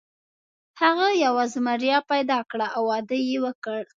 هغه یوه زمریه پیدا کړه او واده یې وکړ.